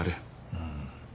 うん。